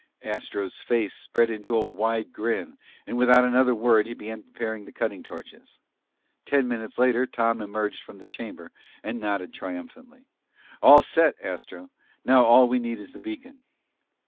Astro's face spread into a wide grin, and without another word, he began preparing the cutting torches. Ten minutes later Tom emerged from the chamber and nodded triumphantly. "All set, Astro! Now all we need is the beacon."